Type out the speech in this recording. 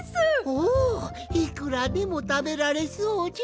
おいくらでもたべられそうじゃ。